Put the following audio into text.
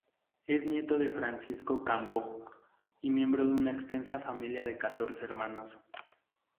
Es nieto de Francisco Cambó y miembro de una extensa familia de catorce hermanos.